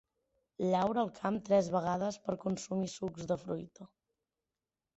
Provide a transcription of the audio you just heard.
Llaura el camp tres vegades per consumir sucs de fruita.